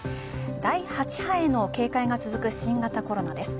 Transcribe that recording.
第８波への警戒が続く新型コロナです。